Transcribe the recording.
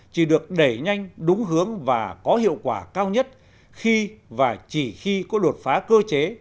chỉ được đẩy nhanh đúng hướng và có hiệu quả cao nhất khi và chỉ khi có đột phá cơ chế